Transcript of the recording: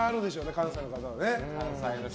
関西の方はね。